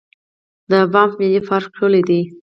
د بانف ملي پارک ښکلی دی.